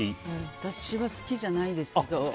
私は好きじゃないですけど。